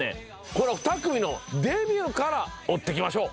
この２組のデビューから追っていきましょう。